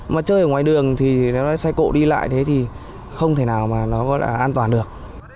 mà chơi ở ngoài đường thì xe cộ đi lại thì không thể nào mà nó an toàn được